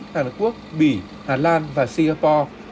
hàn quốc bỉ hà lan và singapore